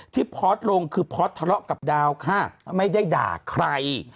พอร์ตลงคือพอสทะเลาะกับดาวค่ะไม่ได้ด่าใคร